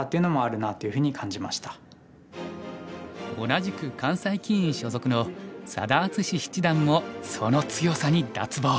同じく関西棋院所属の佐田篤史七段もその強さに脱帽。